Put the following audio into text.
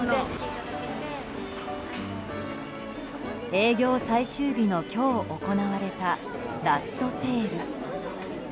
営業最終日の今日行われたラストセール。